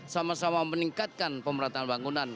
sama sama meningkatkan pemerataan bangunan